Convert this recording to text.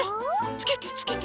つけてつけて。